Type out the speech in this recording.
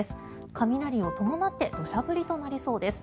雷を伴って土砂降りとなりそうです。